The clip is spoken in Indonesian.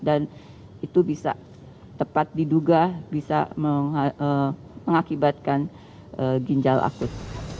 dan itu bisa tepat diduga bisa mengakibatkan ginjal akut